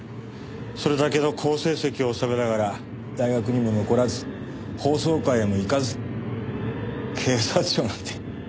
それだけの好成績を修めながら大学にも残らず法曹界へも行かず警察庁なんて。